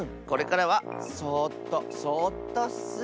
これからはそっとそっとッス。